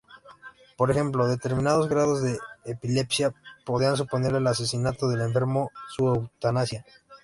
Por ejemplo, determinados grados de epilepsia podían suponer el asesinato del enfermo, su eutanasia.